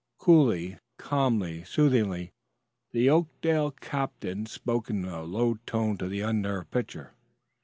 Coolly, calmly, soothingly, the Oakdale captain spoke in a low tone to the unnerved pitcher.